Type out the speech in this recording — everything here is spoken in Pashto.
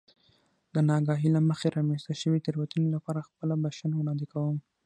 د نااګاهۍ له مخې رامنځته شوې تېروتنې لپاره خپله بښنه وړاندې کوم.